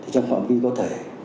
trong khoảng vi có thể